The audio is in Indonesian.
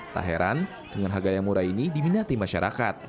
tak heran dengan harga yang murah ini diminati masyarakat